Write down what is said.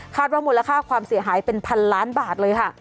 คาดว่าหมดราคาความเสียหายเป็น๑๐๐๐ล้านบาทเลยค่ะ